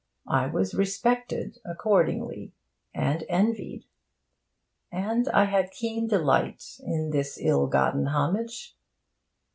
I was respected, accordingly, and envied. And I had keen delight in this ill gotten homage.